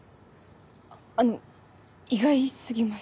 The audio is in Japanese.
あでも意外過ぎます。